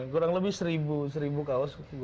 kurang lebih seribu kaos